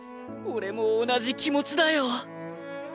俺も同じ気持ちだよ。